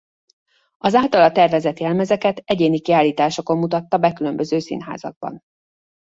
Az általa tervezett jelmezeket egyéni kiállításokon mutatta be különböző színházakban.